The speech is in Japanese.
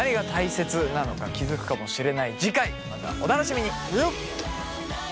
次回またお楽しみに。